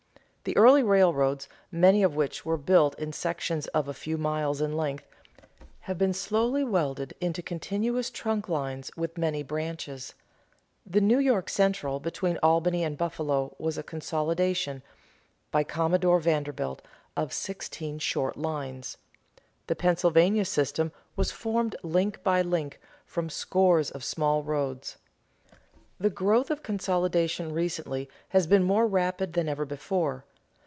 _ The early railroads, many of which were built in sections of a few miles in length, have been slowly welded into continuous trunk lines with many branches. The New York Central between Albany and Buffalo was a consolidation, by Commodore Vanderbilt, of sixteen short lines. The Pennsylvania system was formed link by link from scores of small roads. The growth of consolidation recently has been more rapid than ever before.